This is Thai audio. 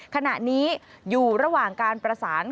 ขณะนี้อยู่ระหว่างการประสาน